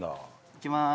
いきます。